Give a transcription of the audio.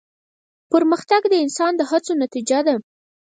پرمختګ د انسان د هڅو نتیجه ده.